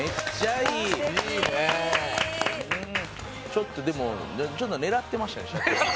ちょっとでもちょっと狙ってましたね社長。